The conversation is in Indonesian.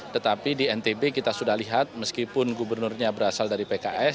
tetapi di ntb kita sudah lihat meskipun gubernurnya berasal dari pks